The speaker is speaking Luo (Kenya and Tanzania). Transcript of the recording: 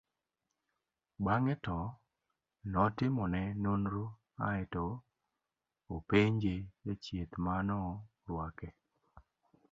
bang'e to notimone nonro ae to openje jachieth manorwake